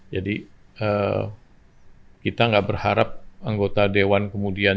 jadi kita enggak berharap anggota dewan kemudian